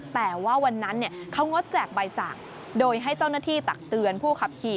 แต่ว่าวันนั้นเขางดแจกใบสั่งโดยให้เจ้าหน้าที่ตักเตือนผู้ขับขี่